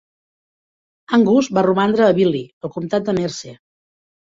Angus va romandre a Billie, al comtat de Merse.